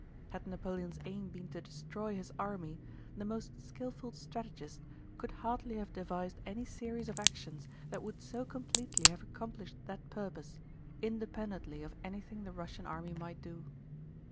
Had Napoleon's aim been to destroy his army, the most skillful strategist could hardly have devised any series of actions that would so completely have accomplished that purpose, independently of anything the Russian army might do.